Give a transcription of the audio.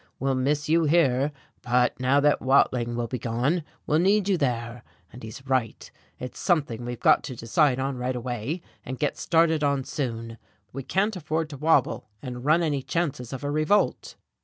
We'll miss you here, but now that Watling will be gone we'll need you there. And he's right it's something we've got to decide on right away, and get started on soon, we can't afford to wobble and run any chances of a revolt."